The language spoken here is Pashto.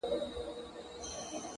o خو د سندرو په محل کي به دي ياده لرم؛